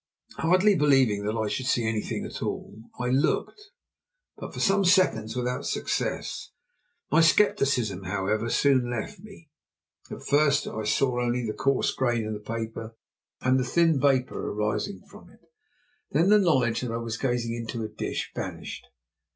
Hardly believing that I should see anything at all I looked. But for some seconds without success. My scepticism, however, soon left me. At first I saw only the coarse grain of the paper and the thin vapour rising from it. Then the knowledge that I was gazing into a dish vanished.